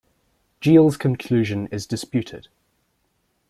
Jeal's conclusion is disputed.